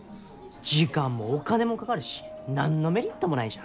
時間もお金もかかるし何のメリットもないじゃん。